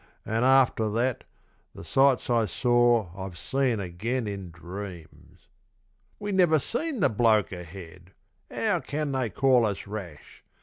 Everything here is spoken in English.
An', after that, the sights I saw I've seen again in dreams. We never seen the bloke ahead! 'Ow can they call us rash?